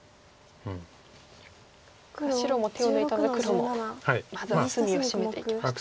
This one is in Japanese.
白も手を抜いたので黒もまずは隅を締めていきましたね。